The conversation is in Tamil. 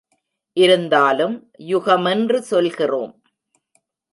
இருந்தாலும் யுகமென்று சொல்கிறோம்.